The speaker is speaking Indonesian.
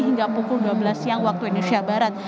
hingga pukul dua belas siang waktu indonesia barat